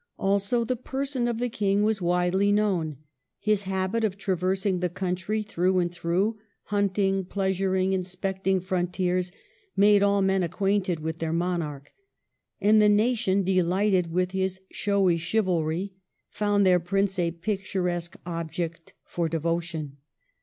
Also the per son of the King was widely known. His habit of traversing the country through and through, hunting, pleasuring, inspecting frontiers, made all men acquainted with their monarch. And the nation, delighted with his showy chivalry, found their Prince a picturesque object for devotion.